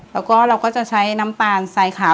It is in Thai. แล้วก็เราก็จะใช้น้ำตาลใส่ขาว